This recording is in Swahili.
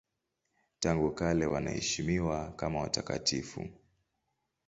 Tangu kale wanaheshimiwa kama watakatifu.